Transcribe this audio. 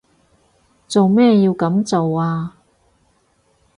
做咩要噉做啊？